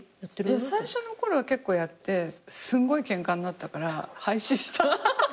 最初のころは結構やってすんごいケンカになったから廃止した。